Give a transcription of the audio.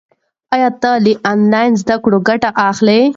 آیا ته له انلاین زده کړې ګټه اخلې؟